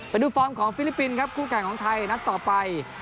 ฟอร์มของฟิลิปปินส์ครับคู่แข่งของไทยนัดต่อไป